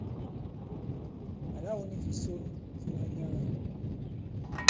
Àla wu ni fìson fi manyaga.